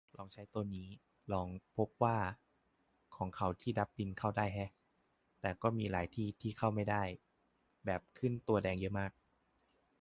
ลองใช้ตัวนี้ลอง พบว่า ของเขาที่ดับลินเข้าได้แฮะ แต่ก็มีหลายที่ที่ไม่ได้ แบบขึ้นตัวแดงเยอะมาก